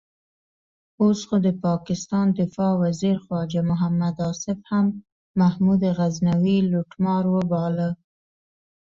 اوس خو د پاکستان دفاع وزیر خواجه محمد آصف هم محمود غزنوي لوټمار وباله.